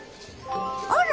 あら！